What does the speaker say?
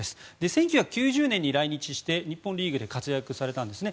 １９９０年に来日して日本リーグで活躍したんですね。